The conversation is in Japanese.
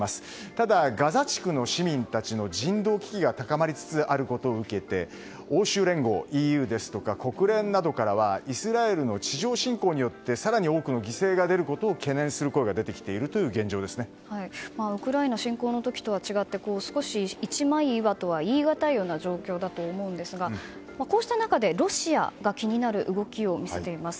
ただ、ガザ地区の市民たちの人道危機が高まりつつあること受けて欧州連合ＥＵですとか国連からはイスラエルの地上侵攻によって更に多くの犠牲が出ることを懸念する声が出ているというのがウクライナの侵攻の時とは違って、一枚岩とは言い難いような状況だと思うんですがこうした中でロシアが気になる動きを見せています。